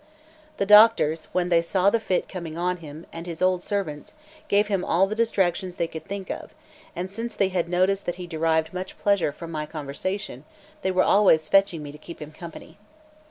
The doctors, when they saw the fit coming on him, and his old servants, gave him all the distractions they could think of; and since they had noticed that he derived much pleasure from my conversation, they were always fetching me to keep him company.